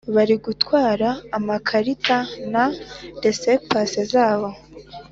bari gutwara amakarita na resepase zabo